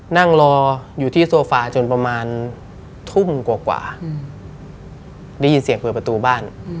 นั่งรออยู่ที่โซฟาจนประมาณทุ่มกว่าได้ยินเสียงเปิดประตูบ้าน